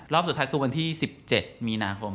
รอบสุดท้ายคือวันที่๑๗มีนาคม